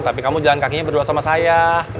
tapi kamu jalan kakinya berdua sama saya